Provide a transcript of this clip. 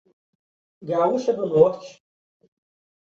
Gaúcha do Norte